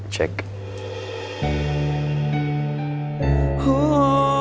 jadinya kamu in the studio